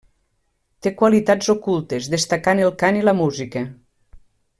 Té qualitats ocultes destacant el cant i la música.